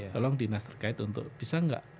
ruang dinas terkait untuk bisa tidak